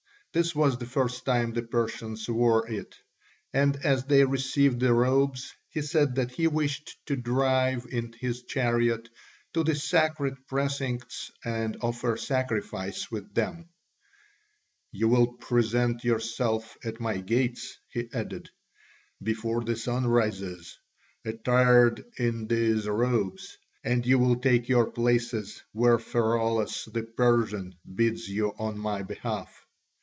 This was the first time the Persians wore it, and as they received the robes he said that he wished to drive in his chariot to the sacred precincts and offer sacrifice with them. "You will present yourselves at my gates," he added, "before the sun rises, attired in these robes, and you will take your places where Pheraulas the Persian bids you on my behalf.